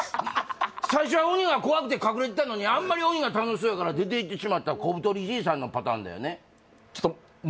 最初は鬼が怖くて隠れてたのにあんまり鬼が楽しそうやから出ていってしまったこぶとりじいさんのパターンだよね？